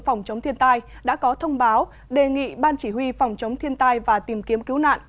phòng chống thiên tai đã có thông báo đề nghị ban chỉ huy phòng chống thiên tai và tìm kiếm cứu nạn